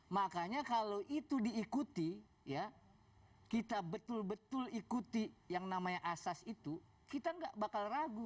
makanya kalau itu diikuti ya kita betul betul ikuti yang namanya asas itu kita gak bakal ragu